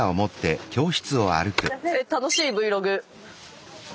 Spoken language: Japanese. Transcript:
楽しいＶログ。